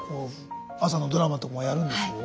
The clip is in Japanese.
朝のドラマとかもやるんでしょう？